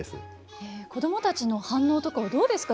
子供たちの反応とかはどうですか？